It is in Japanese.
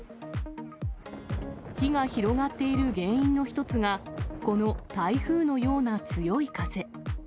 火が広がっている原因の一つが、この台風のような強い風。